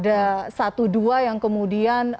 ada satu dua yang kemudian